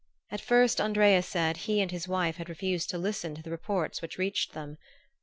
At first, Andrea said, he and his wife had refused to listen to the reports which reached them.